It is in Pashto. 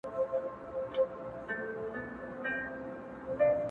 ستا پر ايمان باندې بيا ايښي دي سخي لاسونه’